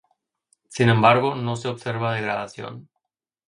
Sin embargo, no se observa degradación.